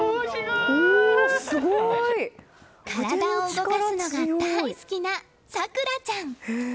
体を動かすのが大好きなさくらちゃん！